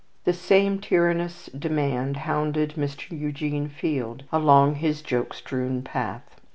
The same tyrannous demand hounded Mr. Eugene Field along his joke strewn path.